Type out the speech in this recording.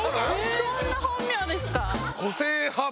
そんな本名ですか？